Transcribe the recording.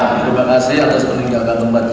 terima kasih atas meninggalkan tempatnya